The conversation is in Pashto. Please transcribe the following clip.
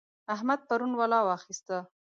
احمد پرون ولا واخيسته.